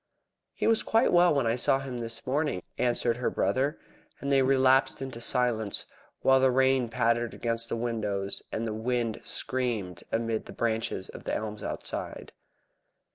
"He was quite well when I saw him this morning," answered her brother, and they relapsed into silence, while the rain pattered against the windows, and the wind screamed amid the branches of the elms outside.